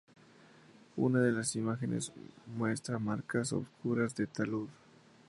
Una de las imágenes muestra marcas oscuras de talud.